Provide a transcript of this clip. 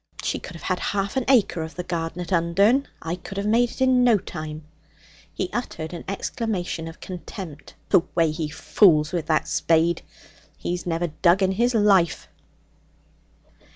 'She could have had half an acre of the garden at Undern; I could have it made in no time.' He uttered an exclamation of contempt. 'The way he fools with that spade! He's never dug in his life.'